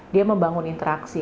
dia membangun interaksi